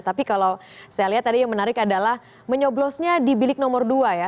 tapi kalau saya lihat tadi yang menarik adalah menyoblosnya di bilik nomor dua ya